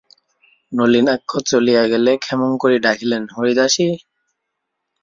নলিনাক্ষ চলিয়া গেলে ক্ষেমংকরী ডাকিলেন, হরিদাসী!